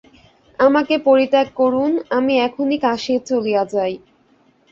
আমাকে পরিত্যাগ করুন, আমি এখনই কাশী চলিয়া যাই।